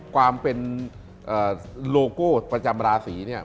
ความเป็นโลโก้ประจำราศีเนี่ย